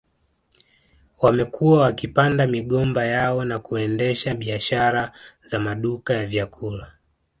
Wamekuwa wakipanda migomba yao na kuendesha biashara za maduka ya vyakula